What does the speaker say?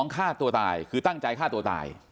ฆ่าตัวตายคือตั้งใจฆ่าตัวตาย